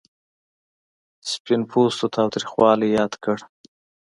سپین پوستو تاوتریخوالی یاد کړ.